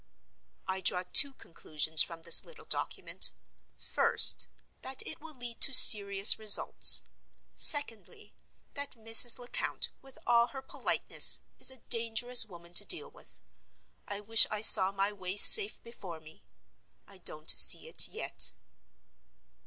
I draw two conclusions from this little document. First—that it will lead to serious results. Secondly—that Mrs. Lecount, with all her politeness, is a dangerous woman to deal with. I wish I saw my way safe before me. I don't see it yet.